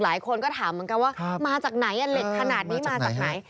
หลายคนก็ถามเหมือนกันว่ามาจากไหนเหล็กขนาดนี้มาจากไหน